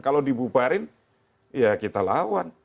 kalau dibubarin ya kita lawan